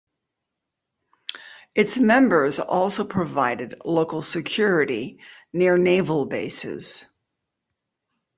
Its members also provided local security near naval bases.